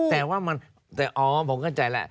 แต่ว่ามันอ๋อผมเข้าใจแล้ว